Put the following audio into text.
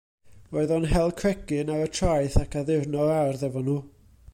Roedd o'n hel cregyn ar y traeth ac addurno'r ardd hefo nhw.